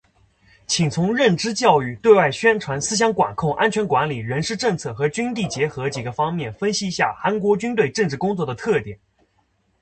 请从认知教育、对外宣传、思想管控、安全管理、人事政策和军地结合几个方面分析一下韩国军队政治工作的特点。